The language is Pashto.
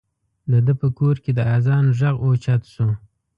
د ده په کور کې د اذان غږ اوچت شو.